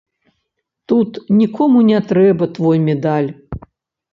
Тут нікому не трэба твой медаль.